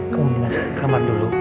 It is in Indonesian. kamu tinggal di kamar dulu